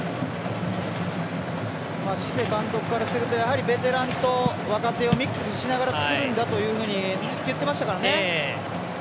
シセ監督からするとベテランと若手をミックスしながら作るんだというふうに言ってましたからね。